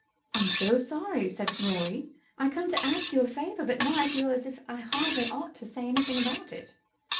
"I'm so sorry!" said Rorie. "I came to ask you a favour, and now I feel as it I hardly ought to say anything about it."